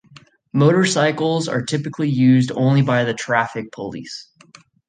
Motorcycles are typically used only by the traffic police.